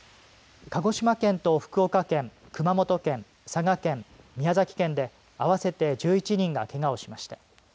鹿児島県と福岡県、熊本県佐賀県、宮崎県で合わせて１１人がけがをしました。